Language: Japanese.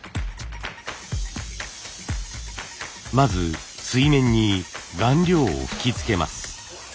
まず水面に顔料を吹きつけます。